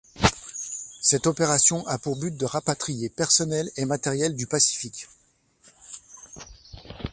Cette opération a pour but de rapatrier personnel et matériel du Pacifique.